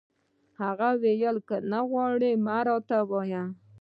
هغه وویل: که نه غواړي، مه راته وایه.